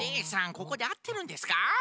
ここであってるんですか？